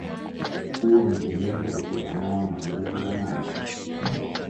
Huu ni umeme utokanao na nguvu ya maji